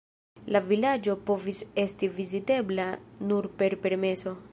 La vilaĝo povis esti vizitebla nur per permeso.